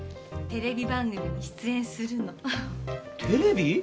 テレビ番組に出演するの。テレビ！？